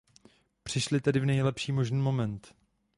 Přišly tedy v nejlepší možný moment.